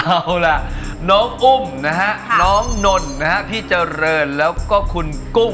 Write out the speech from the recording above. เอาล่ะน้องอุ้มนะฮะน้องนนนะฮะพี่เจริญแล้วก็คุณกุ้ง